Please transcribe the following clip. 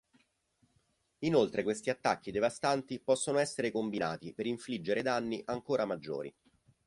Inoltre questi attacchi devastanti possono essere combinati per infliggere danni ancora maggiori.